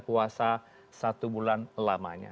puasa satu bulan lamanya